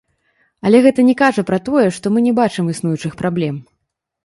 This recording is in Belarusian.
Але гэта не кажа пра тое, што мы не бачым існуючых праблем.